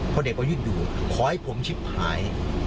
พ่อเด็กก็ยึดอยู่ขอให้ผมชิบหลาย